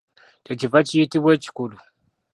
Kye kiva kiyitibwa ekikulu.